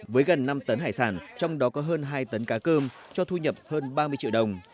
với gần năm tấn hải sản trong đó có hơn hai tấn cá cơm cho thu nhập hơn ba mươi triệu đồng